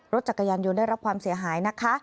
รถจักรยานยนต์ได้รับความเสียหายนะคะ